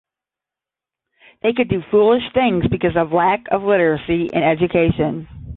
They could do foolish things because of lack of literacy and education.